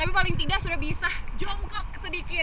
tapi paling tidak sudah bisa jongkok sedikit